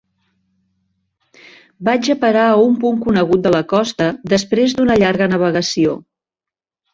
Vaig a parar a un punt conegut de la costa, després d'una llarga navegació.